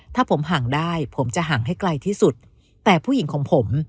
ถ้าผมห่างได้ผมจะห่างให้ไกลที่สุดแต่ผู้หญิงของผม